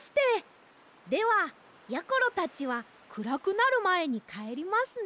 ではやころたちはくらくなるまえにかえりますね。